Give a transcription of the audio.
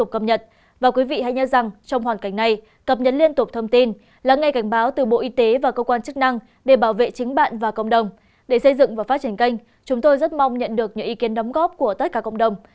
chúc mọi người rất mong nhận được những ý kiến đóng góp của tất cả cộng đồng